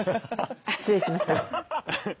失礼しました。